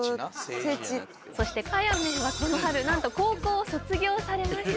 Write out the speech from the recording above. そしてあやめんはこの春何と高校を卒業されました。